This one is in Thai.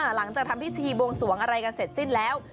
หลังจากทำพิธีบวงสวงอะไรกันเสร็จสิ้นแล้ว